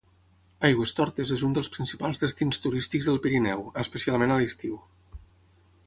Aigüestortes és un dels principals destins turístics del Pirineu, especialment a l'estiu.